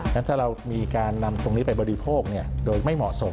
ฉะเรามีการนำตรงนี้ไปบริโภคโดยไม่เหมาะสม